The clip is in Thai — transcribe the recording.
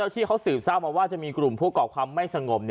ที่เขาสืบทราบมาว่าจะมีกลุ่มผู้ก่อความไม่สงบ